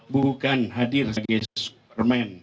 bukan hadir sebagai superman